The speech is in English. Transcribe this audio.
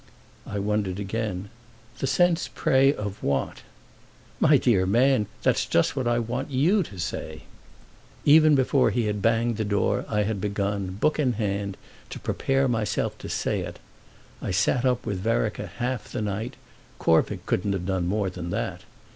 I wondered again. "The sense, pray, of want?" "My dear man, that's just what I want you to say!" Even before he had banged the door I had begun, book in hand, to prepare myself to say it. I sat up with Vereker half the night; Corvick couldn't have done more than that.